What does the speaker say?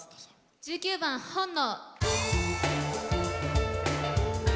１９番「本能」。